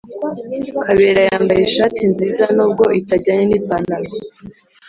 Kabera yambaye ishati nziza nubwo itajyanye ni pantalo